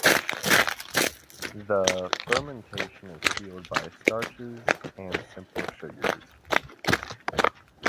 The fermentation is fueled by starches and simple sugars.